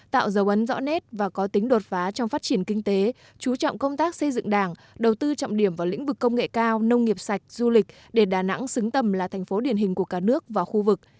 tạo dấu ấn rõ nét và có tính đột phá trong phát triển kinh tế chú trọng công tác xây dựng đảng đầu tư trọng điểm vào lĩnh vực công nghệ cao nông nghiệp sạch du lịch để đà nẵng xứng tầm là thành phố điển hình của cả nước và khu vực